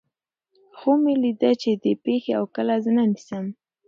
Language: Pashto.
خوب مې ليدلے چې دې پښې اؤ کله زنه نيسم